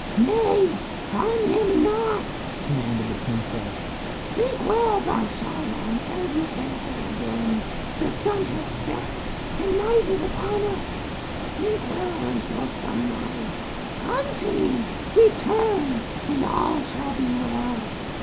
"Nay, harm him not," commanded the princess. "Think well, Bar Shalmon, ere you answer again. The sun has set and night is upon us. Think well, until sunrise. Come to me, return, and all shall be well.